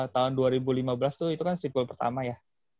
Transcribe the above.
tahun dua ribu lima belas tuh itu kan streetball pertama ya